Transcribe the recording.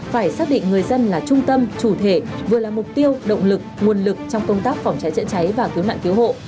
phải xác định người dân là trung tâm chủ thể vừa là mục tiêu động lực nguồn lực trong công tác phòng cháy chữa cháy và cứu nạn cứu hộ